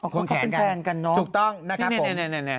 อ๋อเขาเป็นแพงกันเนอะถูกต้องนะครับผมนี่นี่นี่นี่นี่